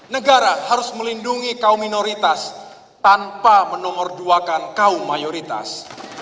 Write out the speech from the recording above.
negara harus melindungi kaum minoritas tanpa menomorduakan kaum mayoritas